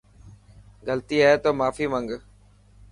غلطي هي تو ماني منگ.